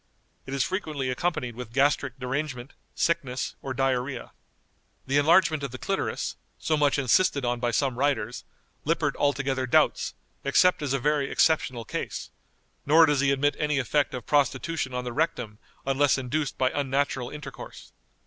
It is frequently accompanied with gastric derangement, sickness, or diarrhoea. The enlargement of the clitoris, so much insisted on by some writers, Lippert altogether doubts, except as a very exceptional case; nor does he admit any effect of prostitution on the rectum unless induced by unnatural intercourse.